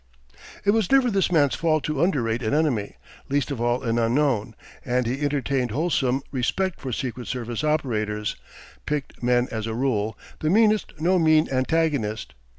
It was never this man's fault to underrate an enemy, least of all an unknown; and he entertained wholesome respect for Secret Service operators picked men, as a rule, the meanest no mean antagonist.